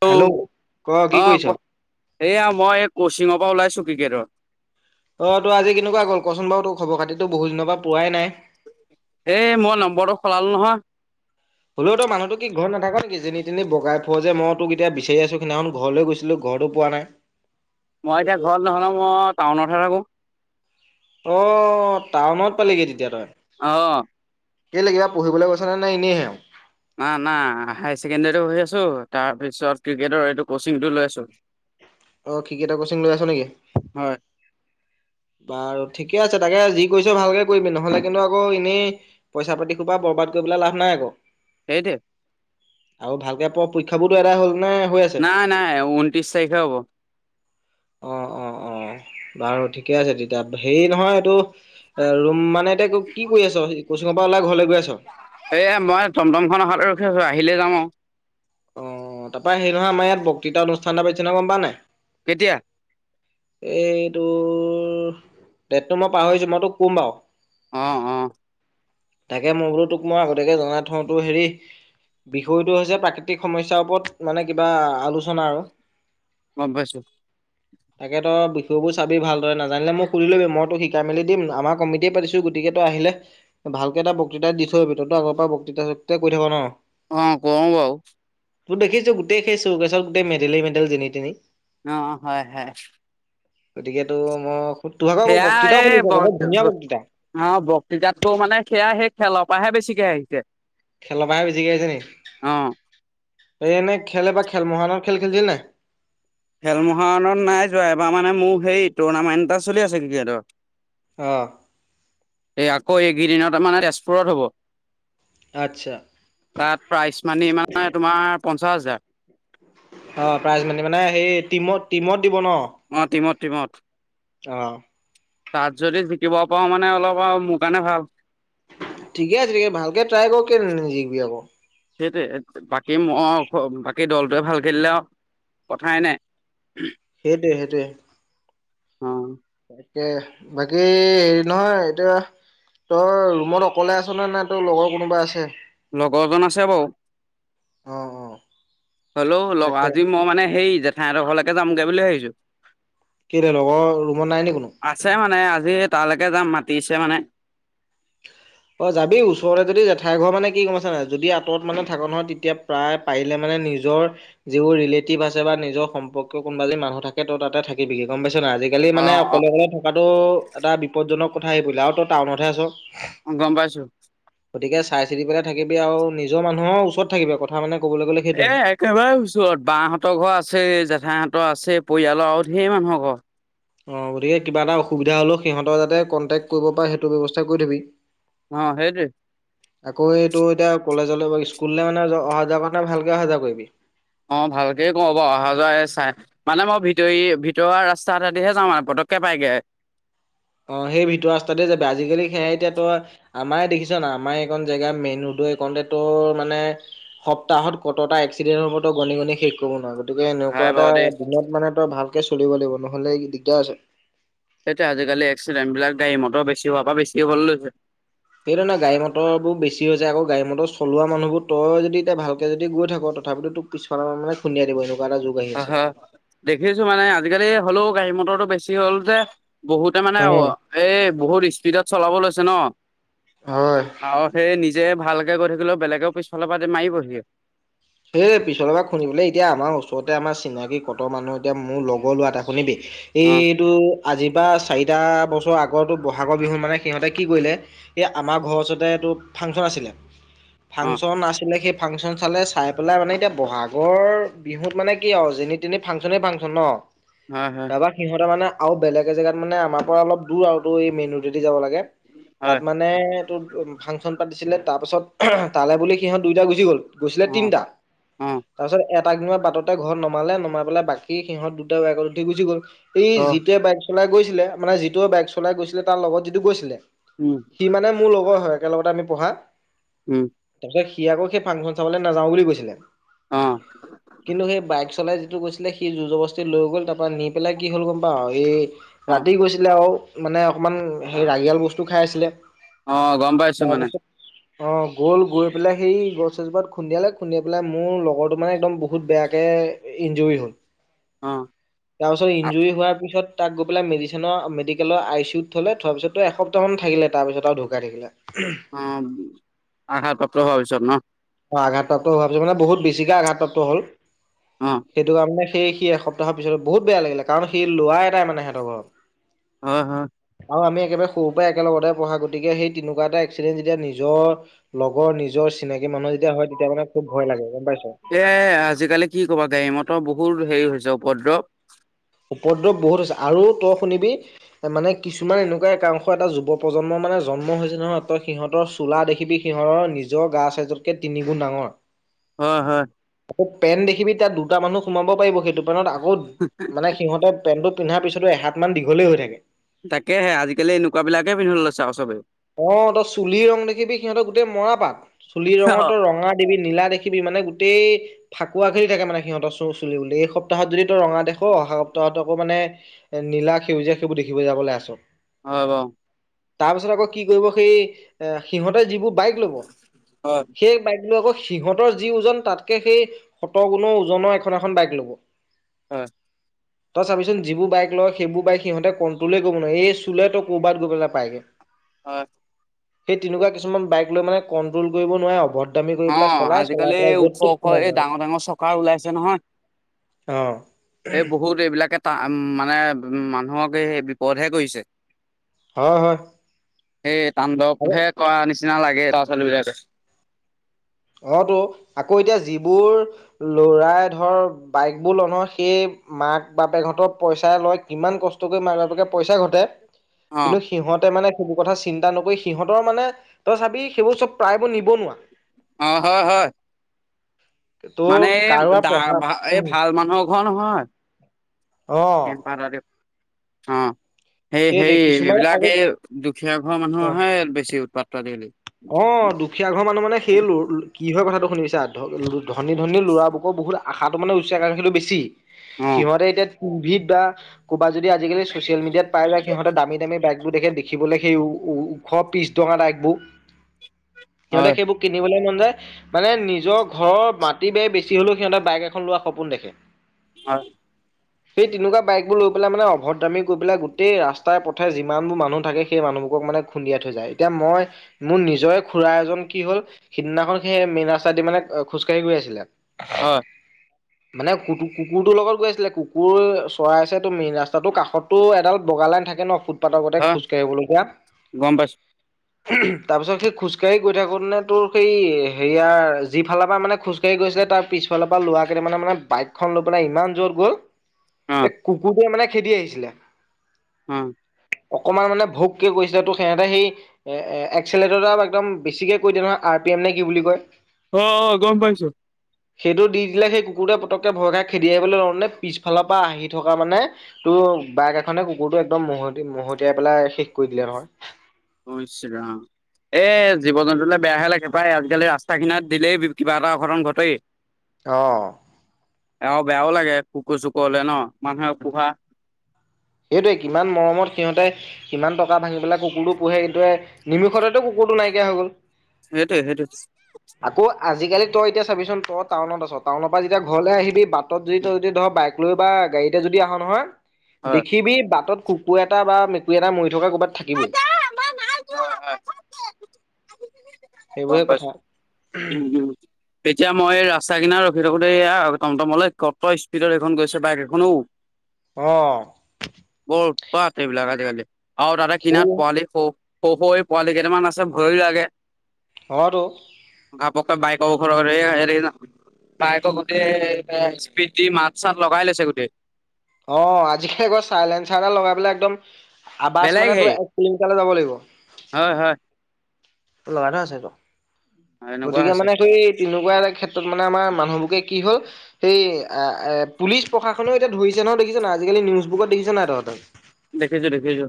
Hello, ক কি অ কৰিছ? কোৱা, সেয়া মই কচি চিংৰ পৰা ওলাইছো ক্ৰিকেটৰ। অ তোৰ আজি কেনেকুৱা গ'ল কচোন বাৰু তোৰ খবৰ খাতিতো বহুত দিনৰ পৰা পোৱাই নাই? এ মই নম্বৰটো খোলালো নহয়। হ'লেও ত মানুহটো কি ঘৰত নাথাক নেকি যেনি তেনি বগাই ফুৱ যে মই তোক এতিয়া বিচাৰিছো সেইদিনাখন ঘৰলৈ গৈছিলো ঘ ঘৰতো পোৱা নাই? মই এতিয়া ঘৰত নহ'লে মই টাউনতহে থাকো। অ, টাউনত পালিগি তেতিয়া তই। অ কেলে কিবা পঢ়িবলৈ গৈছে নে নাই এনেইহে আৰু। না না হাই ছেকেণ্ডেৰীও হৈ আছো, তাৰপিছত ক্ৰিকেটৰ এইটো কচিংটো লৈ আছো। অ ক্ৰিকেটৰ কচিং লৈ আছ নেকি? হয় বাৰু ঠিকে আছে তাকে যি কৰিছো ভালকে কৰিবি নহলে কিন্তু আকৌ এনেই, পইচা পাতি সোপা বৰ কৰবাত গৈ পেলাই লাভ নাই আকৌ। সেইটোৱে। আৰু ভালকে পঢ় পৰীক্ষাবোৰতো এদাই হ'লগে। নাই নাই ঊনত্ৰিশ তাৰিখে হব। অ অ অ বাৰু ঠিকে আছে, তেতিয়া হেৰি নহয় এইটো ৰুম মানে এতিয়া কি কৰি আছ কোচিঙৰ পৰা ওলাই ঘৰলৈ গৈ আছ এয়া মই টমটম খন ত ভালে ৰখি আছো আহিলে যাম আৰু। অ তাৰ পৰা সেই নহয় আমাৰ ইয়াত বক্তৃতা অনুষ্ঠান এটা বিছিনা গম পোৱা নাই। কেতিয়া? এইটোৰ ডেটটো মই পাহৰিছো মই তোক কম বাৰু। অ অ। তাকে মই বোলো তোক মই আগতীয়াকে জনাই থওঁ তোৰ হেৰি বিষয়টো হৈছে প্ৰাকৃতিক সমস্যাৰ ওপৰত মানে কিবা আলোচনা আৰু। গম পাইছোঁ। তাকেতো বিষয়বোৰ চাবি ভালদৰে নাজানিলে মোক সুধি লবি মইতো শিকাই মেলি দিম আমাৰ কমিটিয়ে পাতিছো গো গতিকে তই আহিলে ভালকে এটা বক্তৃতা দি থৈ যাবি। তই ত আগৰ পৰা বক্তৃতা চক্তিতা কৰি থাক ন? অ কওঁ বাৰু। তোৰ দেখিছো গোটেই সেই চৌকেচট গোটেই মেডেলে মেডেল যেতি তেনি। অ হয় হয়। গতিকে তোৰ মই তোৰ ভাগৰ সেয়া বক্তৃতাও এই শুনিছো ব আকৌ বৰ ধুনীয়া বক্তৃতা বক্তৃতা টো মানে সেয়া সেই খেলৰ পৰাহে বেছিকে আহিছে। খেলৰ পাহে বেছিকে আহিছে নি? অ এই এনেই খেলে বা খেল মহাৰনৰ খেল খেলছিল নাই? খেল মহাৰনত নাই যোৱা এবাৰ মানে মোৰ সেই টুৰ্ণামেণ্ট এটা চলি আছে ক্ৰিকেটৰ। অ। এই আকৌ এইকেইদিনত মানে তেজপুৰত হ'ব। আচ্ছা তাত প্ৰাইচ মানি মানে তোমাৰ পঞ্চাশ হাজাৰ। অ প্ৰাইজ মানি মানে সেই টিমত টিমত দিব ন? অ টিমত টিমত। অ তাত যদি জিকিব পাওঁ মানে অলপ মোৰ কাৰণে ভাল ঠিকে আছে ভালকে ট্ৰাই কৰ কেলে নিজিবি আকৌ। সেইটোৱে বাকী মই বাকী দলটোৱে ভাল খেলিলেও কথাই নাই। সেইটোৱে সেইটোৱে। অ তাকে বাকী হেৰি নহয় এতিয়া তই ৰুমত অকলে আছ নে নে তোৰ লগৰ কোনোবা আছে? লগৰজন আছে বাৰু অ অ হলৌ লগ তাকে আজি মই মানে সেই জেঠাইঁতৰ ঘৰলৈকে যামগৈ বুলি ভাবিছো। কেলে লগৰ ৰুমত নাই নি কোনো আছে মানে আজি তালৈকে যাম মাতিছে মানে [unintelligible] অ যাবি ওচৰতে যদি জেঠাই ঘৰ মানে কি গম পাইছ নাই যদি আঁতৰত মানে থাক ন তেতিয়া প্ৰায় পাৰিলে মানে নিজৰ যিবোৰ ৰিলেটিভ আছে বা নিজৰ সম্পৰ্কীয় কোনোবা মানুহ থাকে ত তাতে থাকিবিগি গম পাইছ। নাই, আজিকালি অ মানে অকলে অকলে থকাতটো এটা বিপদজনক কথা আহি পৰিল আৰু তই টাউনতহে আছ। অ গম পাইছো। গতিকে চাই চিতি পেলাই থাকিবি আৰু নিজৰ মানুহৰ ওচৰত থাকিবি কথা মানে। ক'বলৈ গ'লে এ সেইটোৱে একেবাৰে ওচৰত বা হঁতৰ ঘৰ আছেই জে জেঠাইহতৰ আছে পৰিয়ালৰ আৰু ধেই মানুহ ঘৰ। অ গতিকে কিবা এটা অসুবিধা হলেও সিহঁতৰ যাতে কণ্টেক কৰিব পাৰ সেইটো ব্যবস্থা কৰি থবি। অ সেইটোৱে আকৌ এইটো এতিয়া কলেজলৈ স্কুললৈ মানে অহা যোৱা কৰা নে ভালকে অহা যোৱা কৰিবি। অ ভালকে কওঁ বাৰু অহা যোৱা চাই মানে মই ভিতৰ ভিতৰুৱা ৰাস্তা দি হে যাওঁ পতকে পাইগে। [inaudible] অ সেই ভিতৰ ৰাস্তাতে যাব আজিকালি সেয়াই এতিয়া তই আমাৰ দেখিছ নাই আমাৰ এখন জেগা মেইন ৰোড মানে সপ্তাহত কতটা এক্সিডেন্ট হ'ব তো গণি গণি শেষ কৰিব নোৱাৰ গতিকে হয় এনেকুৱা এটা বাৰু দেই দিনত মানে তই ভালকে চলিব লাগিব নহ'লে দিগদাৰ আছে। তেতিয়া আজিকালি এক্সিডেণ্ট বিলাক গাড়ী মটৰ বেছি হোৱা পা বেছি হ'বলৈ লৈছে। সেইধৰণে গাড়ী মটৰ বোৰ বেছি হৈছে আকৌ গাড়ী মটৰবোৰ চলোৱামানুহবোৰ তই যদি এতিয়া ভালকে যদি গৈ থাক তথাপিতো তোক পিছফালৰ মানে খুন্দয়াই দিব। এটা যুগ আহি অ আছে। হয় দেখিছো মানে আজিকালি হ'লেও গাড়ী মটৰটো বেছি হ'ল যে বহুতে মানে উম, এই বহুত স্পীডত চলাব লৈছে ন। হয়। আৰু সেই নিজ যে ভালকে গৈ থাকিলেও বেলেগেও পিছফালৰ পৰা মাৰিবহি এ পিছৰ পৰা শুনিবলৈ এতিয়া আমাৰ ওচৰতে আমাৰ চিনাকি কট মানুহ এতিয়া মোৰ লগৰ লোৱা এটা শুনিবি অ এইটো আজিৰ পৰা চাৰিটা বছৰ আগ আটো বহাগৰ বিহু মানে সিহঁতে কি কৰিলে এই আমাৰ ঘৰৰ ওচৰতে এইটো ফাংচন আছিলে, অ ফাংচন আছিলে সেই ফাংচন চালে চাই পেলাই মানে এতিয়া বহাগৰ বিহুত মানে কি আৰু যেন তেনি ফাংচনে ফাংচন ন। হয় হয় তাৰপৰা সিহতেৰ মানে আৰু বেলেগ এ জেগাত মানে আমাৰ পৰা অলপ দূৰ আৰু এই মেইন ৰদে দি যাব লাগে। তাত হয় মানে তটো ফাংচন পাতিছিলে। তাৰ পিছত তালৈ বুলি সিহঁত দুইটা গুচি গ'ল গৈছিলে অ তিনটা অ তাৰ পিছত এ আ বাটতে ঘৰত নমালে নমাই পেলাই বাকী সিহঁত দুটটা ত উঠি গুচি গ'ল অ এই যিটোৱে বাইক চলাই গৈছিলে মানে যিটো বাইক চলাই গৈছিলে তাৰ লগত যিটো গৈছিলে। উম সি মানে মোৰ লগৰ হয় একেলগতে আমি পঢ়া উম তাৰ পিচত সি আকৌ সেই ফাংচন চাবলে নাযাও বুলি কৈছিলে। অ কিন্তু সেই বাইক চলাই গৈছিলে সি যুঁজৰ বস্তি লৈ গ'ল তাৰ পৰাৰা নি পেলাই কি হ'ল গম পা এই অ ৰাতি গৈছিলে আৰু মানে অকমান সেই ৰাগিয়াল বস্তু খাই আছিলে অ গম পাইছোঁ মানে অ গ'ল গৈ পেলাই সেই গছ এছজোপাত খুন্দিয়ালে খুন্দিয়াই বলে মোৰ লগৰটো মানে একদম বহুত বেয়াকে ইঞ্জৰিত হ'ল অ তাৰ পিছত ইঞ্জুৰি হোৱাৰ পিছত তাক গৈ পেলাই মেডিচেনৰ মেডিকেলৰ আই চিউ ত থ'লে থোৱাৰ পিছতো এসপ্তাহ মান থাকিলে তাৰ পিছত ঢুকাই থাকিলে অ আঘাত প্ৰাপ্ত হোৱা পাছত নহঁ অ আঘাতপ্ৰাপ্ত হোৱা পাছত মানে বহুত বেছিকে আঘাতপ্ৰাপ্ত হল অ সেইটো কাৰণে সেই সি এসপ্তাহৰ পিছত বহুত বেয়া লাগিলে কাৰণ সেই লৰা এটাই মানে সিহতৰ ঘৰত হয় হয়। আৰু আমি একেবাৰে সৰুৰ পৰাই একেলগতে পঢ়া গতিকে সেই তেনেকুৱা এটা এক্সিডেণ্ট যেতিয়া নিজৰ লগৰ নিজৰ চিনাকী মানুহ যেতিয়া হয় তেতিয়া মানে খুব ভয় লাগে। পাইছ। এ আজিকালি কি কবা গাড়ী মতৰ বহুত হেৰি হৈছে উপদ্ৰৱ উপদ্ৰৱ বহুত হৈছে আৰু তই শুনিবি মানে কিছুমান এনেকুৱা একাংশ এটা যুৱ প্ৰজন্ম মানে জন্ম হৈছে নহয় সিহঁতৰ চোলা দেখিবি সিহঁৰ নিজৰ গা চাইজতকে তিনি গুণ ডাঙৰ উম হয়। পেন দেখিবি তাত দুটা মানুহ সোমাব পাৰিব সেইটো পেনত আকৌ মানে সিহঁতে পেন্টো পিন্ধাৰ পিছতো এহাত মান দীঘলেই হৈ থাকে। তাকেহে আজিকালি এনেকুৱাবিলাকে পিন্ধিব লৈছে আৰু চবেও অ তই চুলি ৰং দেখিবি সিহঁতৰ গোটেই মৰা পাত চুলি ৰঙতো হয় ৰঙা দেখিবি নীলা দেখিবি মানে গোটেই ফাকুৱা খেলি থাকে মানে সিহঁতৰ চুলি বুলি এই সপ্তাহত যদি তই ৰঙা দেখ অহা সপ্তাহত আকৌ মানে নীলা সেউজীয়া সেইবোৰ দেখিবলৈ যাবলৈ আছোঁ। আহ হব তাৰ পিছত আকৌ কি কৰিব সেই সিহঁতেৰ যিবোৰ বাইক লব হয় সেই বাইক কি আকৌ সিহঁতৰ যি ওজন তাতকে সেই শত গুণ ওজনৰ এখন এখন বাইক ল'ব হয় তই চাবিচোন যিবোৰ বাইক লয় সেইবোৰ বাইক সিহঁতে কণ্ট্ৰলেই কৰিব নোৱাৰাৰে এই চুলে তই ক'ৰবাত গৈ পেলাই পাইগে হয় সেই তেনেকুৱা কিছুমান বাইক লৈ মানে কণ্ট্ৰল কৰিব নোৱাৰে অভদ অ আজিকালি ওখ ওখ এই মৰেগে। ডাঙৰ ডাঙৰ চকাৰ ওলাইছে নহয় অ' এই বহুত এইবিলাকে ত উ মানে উ মানুহক সেই বিপদহে কৰিছে। হয়, হয়। সেই তান্ডৱ আৰু হে কৰা নিচিনা লাগে ল'ৰা ছোৱালী বিলাকে। অ তহ আকৌ এতিয়া যিবোৰ লৰাই ধৰ বাইক বোৰ লইন সেই মাক বাপেকহতৰ পইচা লয় কিমান কষ্ট কৰি মাক বাপেকে পইচা ঘটে। অ কিন্তু সিহঁতে মানে। সেইবোৰ কথা চিন্তা নকৰি সিহঁতৰ মানে তই চাবি সেইবোৰ চব প্ৰায়বোৰ নিবনুৱা। অ হয় হয়। তোৰ মানে এই কাৰোবাৰ পঢ়া এই উম ভাল মানুহক কোৱা নহয় অ' কেন অহ। সেই হে সেইটোৱে কিছুমান এইবিলাক আৰু এই দুখীয়া ঘৰৰ অ' মানুহহে বেছি উৎপাত্ত আজি কালি। অ দুখীয়া ঘৰ মানুহ মানে সেই কি হয় কথাটো শুনি পাইছে। ধনী ধনী ল'ৰা বুকৰ বহুত আশাটো মানে উচ্চাকখিলো বেছি অ সিহঁতে এতিয়া। ভিৰদা। ক'ৰবা যদি আজিকালি ছ'চিয়েল মিডিয়াত পাই যায় সিহঁতে দামী দামী বাইকবোৰ দেখি দেখিবলৈ সেইও ওশ পিছ টকা লাগিবোৰ। সিহঁতে হয় সেইবোৰ কিনিবলৈ মন। মানে নিজৰ ঘৰৰ মাটি বে বেছি হলেও সিহঁতে বাইক এখন লোৱা সপোন দেখে। হয়। সেই তেনেকুৱা বাইক বোৰ লৈ পেলাই মানে অভদ্ৰামী কৰি পেলাই গোটেই ৰাস্তাই, পথে যিমান বোৰ মানুহ থাকে, সেই মানুহ তেওঁলোকক মানে খুন্দিয়াই থৈ যায়। এতিয়া মই মোৰ নিজৰে খুৰা এজন কি হ'ল, সেইদিনাখন সেই মেইন ৰাস্তা দি মানে খোজকাঢ়ি গৈ আছিলে। হয়। মানে কু-কুকুৰটোৰ লগত গৈ আছিলে কুকুৰ চৰাই আছে ত মেইন ৰাস্তাটো কাষতটো এডাল বগা লাইন থাকে ন, ফুটপাতৰ গতে হয় খোজকাঢ়িবলগীয়া গম পাইছো তাৰ পিছত সেই খোজকাঢ়ি গৈ থাকোঁতে তোৰ সেই, হেৰিয়াৰ যি ফালৰ পৰা মানে খোজকাঢ়ি গৈছিলে তাৰ পিছত পিফালৰ পৰা ল'ৰা কেইটামানে বাইকখন লৈ পেলাই, ইমান জোৰত গ'ল অ এই কুকুৰটোৱে মানে খেদি আহিছিলে। উম অকমান মানে ভোককে কৈছে তো সিহঁতে সেই এ এ এক্সলেট ডাল একদম বেছিকে কৈ দিয়ে নহয়, আৰ পি এম নে কি বুলি কয়? অ-অ, গম পাইছো। সেইটো দি দিলে, সেই কুকুৰটোৱ পতকে ভয় খাই খেদি আহিবলৈ লওঁতে পিছফালৰ পৰা আহি থকা মানে তো বাইক এখনে কুকুৰ টো একদম মহতিয়াই- মহতিয়াই পেলাই শেষ কৰি দিলে নহয়। ইছ‌ ৰাম এ জীৱ জন্তুলৈ বেয়াহে লাগে পায়, আজিকালি ৰাস্তা কিনাত দিলেই কিবা এটা অঘটন ঘটেই। অহ। আৰু বেয়াও লাগে, কুকুৰ-চুকুৰলে ন মানুহে পোহা। সেইটোৱে, কিমান মৰমত সিহঁতে কিমান টকা ভাঙি পেলাই কুকুৰটো পোহে, কিন্তু নিমিখতেতো কুকুৰ কুকুৰটো নাইকিয়া হ'ল গ'ল। সেইটোৱে-সেইটোৱে। আকৌ আজিকালি তই এতিয়া চাবিচোন তই টাউনত আছ, টাউনৰ পৰা যেতিয়া ঘৰলৈ আহিবি, বাটত যদি তই যদি ধৰ বাইক লৈ বা গাড়ীতে যদি আহ নহয়, হয় দেখিবি বাটত। কুকুৰ এটা বা মেকুৰী এটা মৰি থকা ক'ৰবাত থাকিবই। নাই। [unintelligible] গম সেইবোৰে পাইছো, কথা উম-উম, তেতিয়া মই ৰাস্তা কিনাৰত আহি থাকোতে, এইয়া টমটমলে ক'ত স্পীডত এখন গৈছে, বাইক এখনো অহ। বৰ উৎপাত এইবিলাক আজিকালি, আৰু তাতে কিনাৰত সেই পোৱালি- সৰু-সৰু এই পোৱালি কেইটামান আছে, ভয়ো লাগে। অ, তো সাপকত বাইকৰ ঘৰৰ এইয়া এৰি ন, [inaudible] বাইকৰ গোটেই এ ইছপিত দি মাত-চাত লগাই লৈছে গোটেই। অ, আজিকালি আকৌ চাইলেঞ্চাৰ এটা লগাই পেলাই একদম। আবাছ বেলেগ মানে তোৰ হেই এক কিলোমিটাৰলে যাব লাগিব। হয় হয় লগাই থোৱা আছে তো এনেকুৱা গতিকে হৈছে মানে সেই তেনেকুৱা এটা ক্ষেত্ৰত মানে আমাৰ মানুহলোকে কি হ'ল? সেই এ-এ পুলিচ প্ৰশাসনেও এতিয়া ধৰিছে নহয়, দেখিছ নাই আজিকালি, নিউজ বোৰত দেখিছ নাই তহঁতে? দেখিছো-দেখিছো।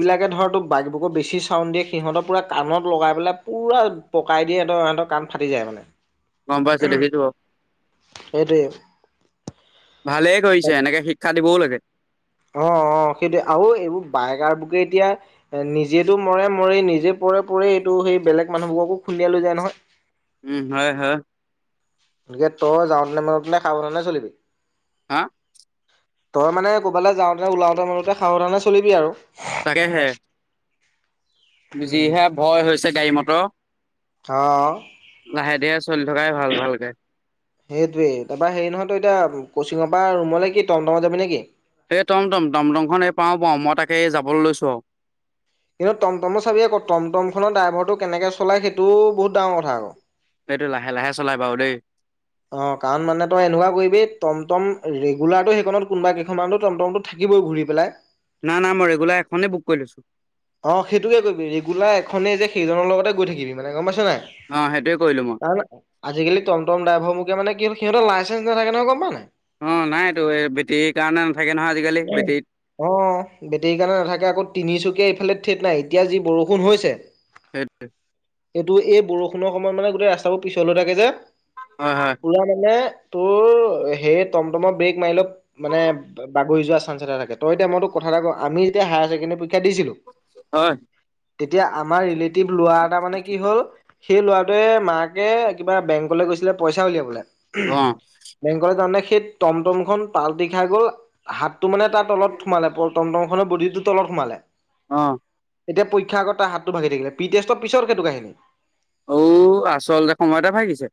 বিলাকে ধৰক তোৰ বাইকবোৰত বেছি চাউন দিয়ে, সিহঁতক পোৰা কাণত লগাই পেলাই পুৰা পকাই দিয়ে, সিহঁতৰ- সিহঁতৰ কাণ ফাটি যায় মানে। গম পাইছো, দেখিছো অ। এইটোৱে। ভালেই কৰিছে, এনেকে শিক্ষা দিবও লাগে। অ-অ, সেইটোৱে আৰু এইবোৰ বাইকাৰ বুকে এতিয়া এ নিজেতো মৰে-মৰে নিজে পৰে-পৰে, এইটো সেই বেলেগ মানুহবোৰকো খুন্দিয়া লৈ যায় নহয়। উম, হয়-হয়। একে তই যাওঁতে নে মনতে সাবধানে চলিবি। হা? তই মানে ক'বালে যাওঁতে, ওলাওতে-মেলোতে সাৱধানে চলিবি আৰু। তাকেহে। উম। বিজিহে ভয় হৈছে গাড়ী মট অ লাহে -ধিহে চলি থকাই ভাল -ভালকে। সেইটোয়ে তাপা হেৰি নহয় তই এতিয়া কচিঙৰ পৰা ৰুমলে কি টমটমত যাবি নেকি? হে যাবলৈ লৈছো আৰু। কিন্তু টমটমো চাবি আকৌ টমটম খনৰ ড্ৰাইভাৰটো কেনেকে চলাই সেইটোও বহুত ডাঙৰ কথা আকৌ। সেইটো লাহে -লাহে চলাই বাৰু দেই। অহ, কাৰণ মানে তই এনেকুৱা কৰিবি টমটম ৰেগুলাৰটো সেইখনত কোনোবা কেইখনমানতো টমটমতো থাকি কিবো ঘূৰি পেলাই নাই- নাই মই ৰেগুলাৰ এখনে বুক কৰি লৈছো। অহ, সেইটোকে কৰিবি ৰেগুলাৰ এখনে যে সেইজনৰ লগতে গৈ থাকিবি মানে গম পাইছ অ নাই? সেইটোৱে কৰিলো মই তাৰমানে আজিকালি টমটম ড্ৰাইভৰ মুকে মানে কি সিহতৰ লাইচেঞ্চ নাথাকে নহয় গম পাও নাই? অহ, নাইটো এই বেটেৰীৰ কাৰণে নাথাকে নহয় আজিকালি বেটেৰীত অহ, বেটৰীৰ কাৰণে নাথাকে আকৌ তিনিচুকীয়া ইফালে ঠিক নাই এতিয়া যি বৰষুণ হৈছে সেইট কটো এই বৰষুণৰ সময়ত মানে গোটেই ৰাস্তাবোৰ পিছল হৈ থাকে যে হয় হয় পুৰা মানে তোৰ সেই টমটমৰ ব্ৰেক মাৰি ল' মানে পৈযোৱা চানস এটা থাকে ত' এতিয়া মই তোক কথা এটা কওঁ আমি যেতিয়া হায় ছেকেণ্ডেৰী প ক্ষা দিছিলো হয় তেতিয়া আমাৰ ৰিলেটিভ লৰা এটা মানে কি হ'ল সেই ল'ৰাটোৱে মাকে কিবা বেংকলৈ গৈছিলে পইচা উলিয়াবলে অ বেংকলে জাওতে সেই টমটমখন পালটি খাই গ'ল হাতটো মানে তাৰ তলত সোমালে টমটমংখনৰ বদিটো তলত সোমালে অহ এতিয়া পৰীক্ষাআগত তা হাতটো ভাগি থাকিলে পিটেছ ট পিছৰ সেটো কাহিনী ঔ আচলতে সময়তে ভাগিছে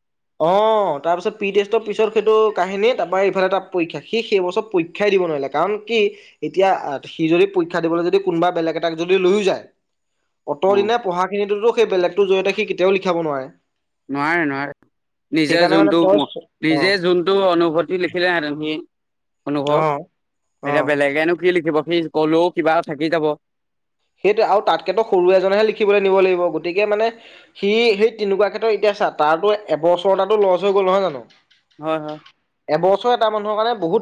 অহ। অহ, তাৰ পিছত পি টেষ্টৰ পিছত সেইটো কাহিনী তাৰ ইফালে তাৰ পৰীক্ষা সি সেইবছৰ পৰী ক্ষায় দিব নোৱাৰিলে কাৰণ কি এতিয়া সি যদি পৰীক্ষা দিবলৈ যদি কোনোবা বেলেগ এটাক যদি লৈও যায় অত অ দিনা পঢ়াখিনিতোতো সেই বেলেগতোৰ জোৰতে সি কেতিয়াও লিখাব নোৱাৰে। নোৱাৰে- নোৱাৰে। নিজৰ সেইকাৰণে মানে যোনটো তই অ'। নিজে যোনটো অনুভূতি লিখিলে হেঁতেন সি অনুভৱ অ', এতিয়া অ', বেলেগেনো কি লিখিব সি কলেও কিবা থাকি যাব। সেইটো আৰু তাতকেতো সৰু এজনেহে লিখিবলৈ নিব লাগিব গতিকে মানে সি সেই তেনেকুৱা ক্ষেত্ৰত এতিয়া তাৰতো এবছৰ এতাতো লছ হৈ গ'ল নহয় জানো হয় - হয়। চ' এটা মানুহৰ কাৰণে বহুত